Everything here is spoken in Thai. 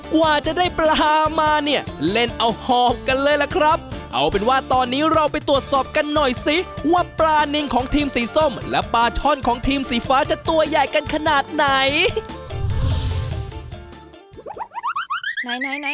กว่าจะได้ปลามาเนี่ยเล่นเอาหอบกันเลยล่ะครับเอาเป็นว่าตอนนี้เราไปตรวจสอบกันหน่อยสิว่าปลานินของทีมสีส้มและปลาช่อนของทีมสีฟ้าจะตัวใหญ่กันขนาดไหน